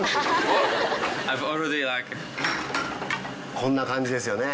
こんな感じですよね。